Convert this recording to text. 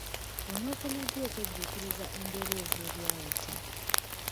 Onaakoma ddi okwejjuukiriza embeera ez'ebyayita?